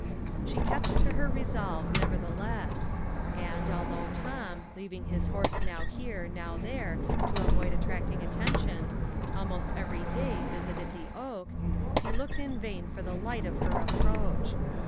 She kept to her resolve, nevertheless; and, although Tom, leaving his horse now here now there, to avoid attracting attention, almost every day visited the oak, he looked in vain for the light of her approach.